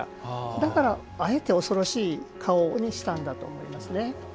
だから、あえて恐ろしい顔にしたんだと思いますね。